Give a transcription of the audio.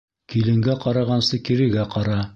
Киленгә ҡарағансы кирегә ҡара.